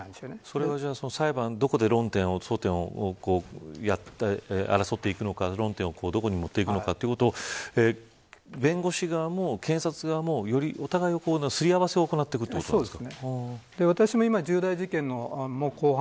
それが裁判のどこで論点をどこに持っていくのかということを弁護士側も検察側もよりお互い、すり合わせを行っていくということですか